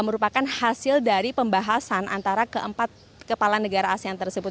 merupakan hasil dari pembahasan antara keempat kepala negara asean tersebut